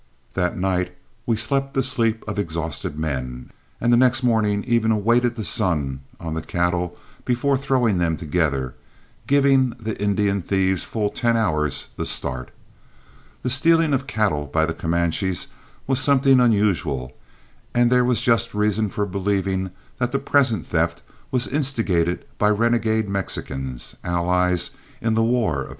That night we slept the sleep of exhausted men, and the next morning even awaited the sun on the cattle before throwing them together, giving the Indian thieves full ten hours the start. The stealing of cattle by the Comanches was something unusual, and there was just reason for believing that the present theft was instigated by renegade Mexicans, allies in the war of '36.